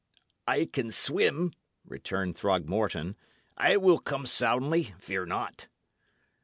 "I can swim," returned Throgmorton. "I will come soundly, fear not."